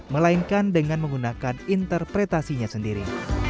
melainkan dengan menggunakan interpretasinya sendiri